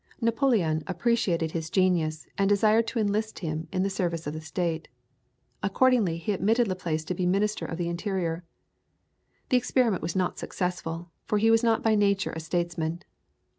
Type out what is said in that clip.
Napoleon appreciated his genius, and desired to enlist him in the service of the State. Accordingly he appointed Laplace to be Minister of the Interior. The experiment was not successful, for he was not by nature a statesman.